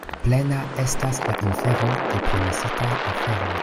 Plena estas la infero de promesitaj aferoj.